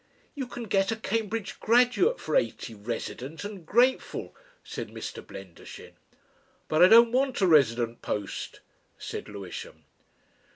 "You can get a Cambridge graduate for eighty resident and grateful," said Mr. Blendershin. "But I don't want a resident post," said Lewisham.